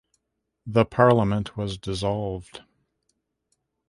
The parliament was dissolved.